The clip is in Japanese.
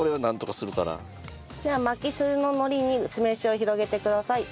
では巻きすの海苔に酢飯を広げてください。